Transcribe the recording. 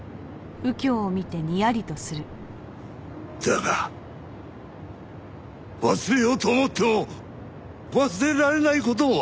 だが忘れようと思っても忘れられない事もあるぞ。